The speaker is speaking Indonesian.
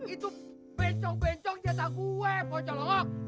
itu bencong bencong jatah gue pocolongok